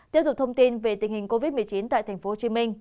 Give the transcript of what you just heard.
tiếp tục thông tin về tình hình covid một mươi chín tại tp hcm